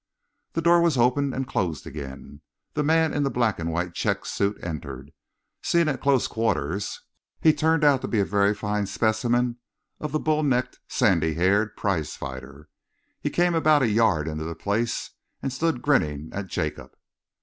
The door was opened and closed again. The man in the black and white check suit entered. Seen at close quarters, he turned out to be a very fine specimen of the bull necked, sandy haired prize fighter. He came about a yard into the place and stood grinning at Jacob.